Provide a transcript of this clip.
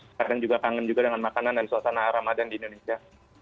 sekarang juga kangen juga dengan makanan dan suasana ramadan di indonesia